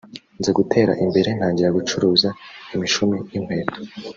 nza gutera imbere ntangira gucuruza imishumi y’inkweto